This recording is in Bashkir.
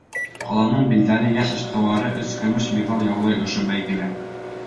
Ҡаланың билдәле йәш эшҡыуары өс көмөш миҙал яулай ошо бәйгелә.